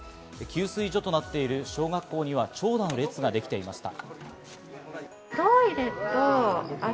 給水所となっている小学校には長蛇の列ができていました。